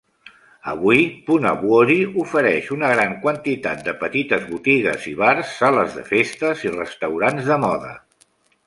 Avui, Punavuori ofereix una gran quantitat de petites botigues i bars, sales de festes i restaurants de moda.